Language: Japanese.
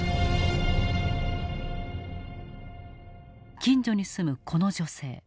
近所に住むこの女性。